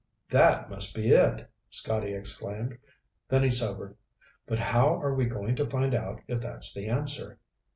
"That must be it!" Scotty exclaimed. Then he sobered. "But how are we going to find out if that's the answer?"